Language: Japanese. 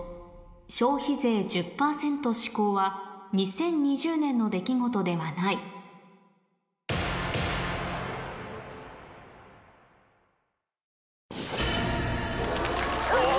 消費税１０％施行は２０２０年の出来事ではないよし！